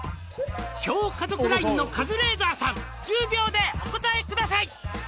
「小家族ラインのカズレーザーさん」「１０秒でお答えください」